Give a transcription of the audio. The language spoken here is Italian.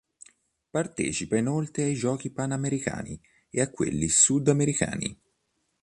Partecipa inoltre ai Giochi panamericani e a quelli sudamericani.